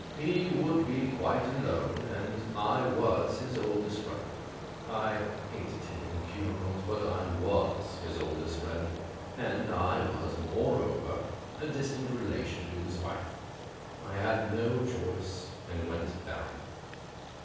He would be quite alone, and I was his oldest friend. I hate attending funerals, but I ivas his oldest friend, and I was, moreover, a distant rela tion of his wife. I had no choice and I went down.